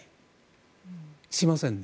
しませんね。